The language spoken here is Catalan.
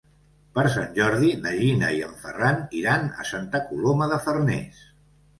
Per Sant Jordi na Gina i en Ferran iran a Santa Coloma de Farners.